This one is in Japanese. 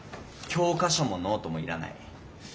教科書もノートもいらない。